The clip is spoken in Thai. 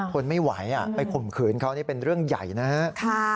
ทนไม่ไหวไปข่มขืนเขานี่เป็นเรื่องใหญ่นะครับ